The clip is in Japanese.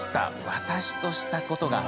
私としたことが。